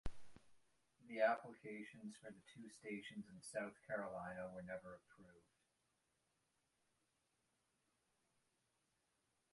The applications for the two stations in South Carolina were never approved.